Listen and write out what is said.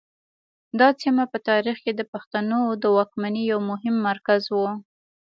دا سیمه په تاریخ کې د پښتنو د واکمنۍ یو مهم مرکز و